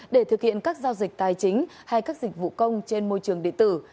để thực hiện các giao dịch tài chính hay các dịch vụ công trên môi trường địa tử